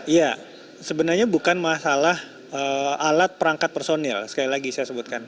ya sebenarnya bukan masalah alat perangkat personil sekali lagi saya sebutkan